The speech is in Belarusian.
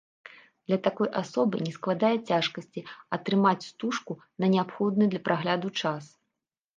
Для такой асобы не складае цяжкасці атрымаць стужку на неабходны для прагляду час.